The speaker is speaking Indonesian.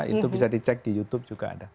itu bisa dicek di youtube juga ada